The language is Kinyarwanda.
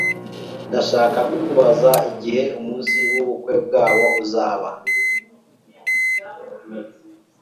Ndashaka kubabaza igihe umunsi wubukwe bwabo uzaba